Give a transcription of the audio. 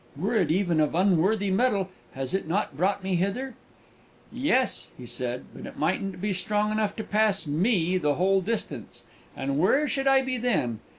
Were it even of unworthy metal, has it not brought me hither?" "Yes," he said, "but it mightn't be strong enough to pass me the whole distance, and where should I be then?